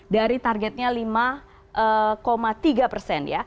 dari targetnya lima tiga persen